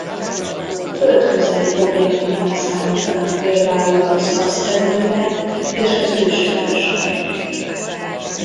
Földközeli objektumnak számítanak például az aszteroidák és az üstökösök.